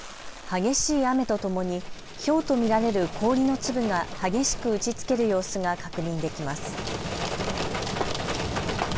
激しい雨とともにひょうと見られる氷の粒が激しく打ちつける様子が確認できます。